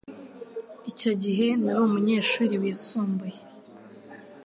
Icyo gihe nari umunyeshuri wisumbuye.